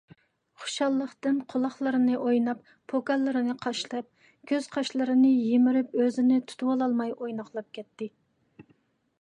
خۇشاللىقتىن قۇلاقلىرىنى ئويناپ، پوكانلىرىنى قاشلاپ، كۆز - قاشلىرىنى يىمىرىپ ئۆزىنى تۇتۇۋالالماي ئويناقلاپ كەتتى.